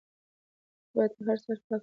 تخت باید په هره سهار پاک کړل شي.